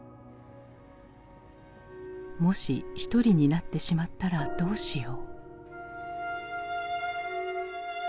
「もし一人になってしまったらどうしよう」。